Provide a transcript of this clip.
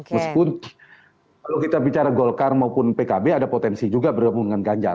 meskipun kalau kita bicara golkar maupun pkb ada potensi juga bergabung dengan ganjar